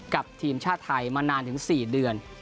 กับทีมชาติไทยมานานถึง๔เดือน